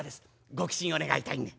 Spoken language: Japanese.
ご寄進を願いたいんで」。